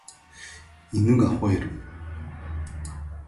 犬が吠える